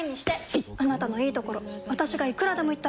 いっあなたのいいところ私がいくらでも言ってあげる！